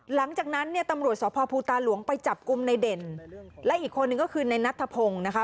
หลังจากนั้นเนี่ยตำรวจสพภูตาหลวงไปจับกลุ่มในเด่นและอีกคนนึงก็คือในนัทธพงศ์นะคะ